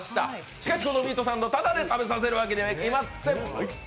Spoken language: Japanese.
しかし、そのミートサンド、タダで食べさせるわけにはいきません。